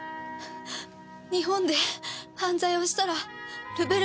日本で犯罪をしたらルベルタに逃げる。